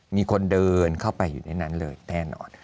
มีคนเดินเข้าไปอยู่ในนั้นเลยแน่นอน